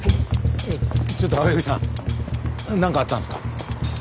ちょっと青柳さんなんかあったんですか？